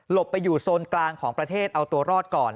ไปอยู่โซนกลางของประเทศเอาตัวรอดก่อน